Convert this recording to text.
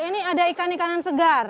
ini ada ikan ikanan segar